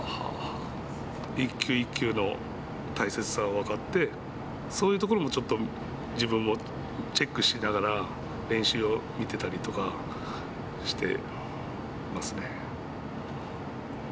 一球一球の大切さを分かってそういうところもちょっと自分もチェックしながら練習を見てたりとかしていますね。